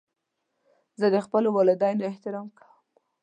زه د خپلو والدینو احترام کوم.